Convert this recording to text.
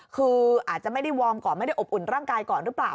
คืออาจจะไม่ได้วอร์มก่อนไม่ได้อบอุ่นร่างกายก่อนหรือเปล่า